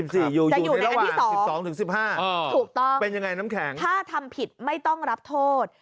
จะอยู่ในวันที่๒๒๑๕ถูกต้องเป็นยังไงน้ำแข็งถ้าทำผิดไม่ต้องรับโทษ